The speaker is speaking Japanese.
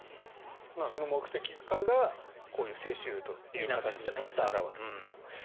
その目的化がこういう世襲という形になって表れていると。